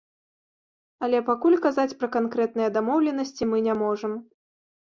Але пакуль казаць пра канкрэтныя дамоўленасці мы не можам.